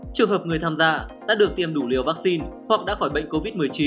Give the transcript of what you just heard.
trường hợp người tham gia đã được tiêm đủ liều vaccine hoặc đã khỏi bệnh covid một mươi chín